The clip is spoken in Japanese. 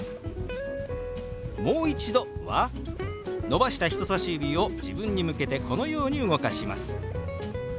「もう一度」は伸ばした人さし指を自分に向けてこのように動かします。